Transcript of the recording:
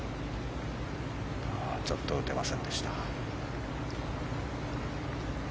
ちょっと打てませんでした。